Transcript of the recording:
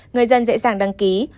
người dân dễ dàng đăng ký